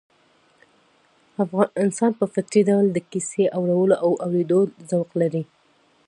انسان په فطري ډول د کيسې اورولو او اورېدلو ذوق لري